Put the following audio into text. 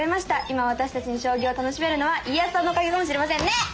今私たちが将棋を楽しめるのは家康さんのおかげかもしれませんね！